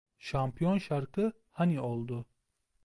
Şampiyon şarkı "Hani" oldu.